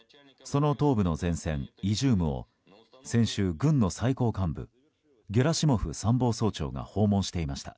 その東部の前線イジュームを先週、軍の最高幹部ゲラシモフ参謀総長が訪問していました。